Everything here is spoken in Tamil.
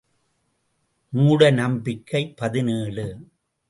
மூட நம்பிக்கை பதினேழு .